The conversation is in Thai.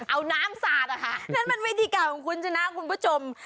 เอาน้ำสาดนะคะนั่นมันวิธีการของคุณชนะคุณผู้ชม